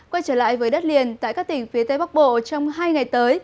quay trở lại với đất liền tại các tỉnh phía tây bắc bộ trong hai ngày tới